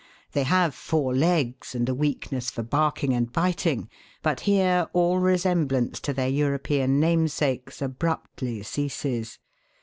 They have four legs and a weakness for barking and biting, but here all resemblance to their European namesakes abruptly ceases.